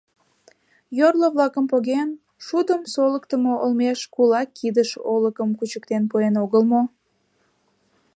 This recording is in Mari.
Йорло-влакым поген, шудым солыктымо олмеш кулак кидыш олыкым кучыктен пуэн огыл мо!